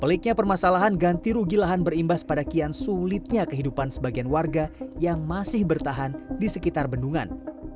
peliknya permasalahan ganti rugi lahan berimbas pada kian sulitnya kehidupan sebagian warga yang masih bertahan di sekitar bendungan